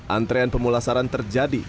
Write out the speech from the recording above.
antrean pemulasaran terjadi